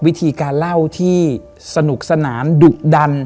วิธีการเล่าที่สนุกสนานดุดัน